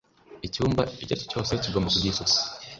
icyumba icyo aricyo cyose kigomba kugira isuku